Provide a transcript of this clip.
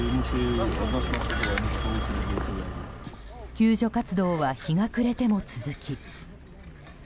救助活動は日が暮れても続き。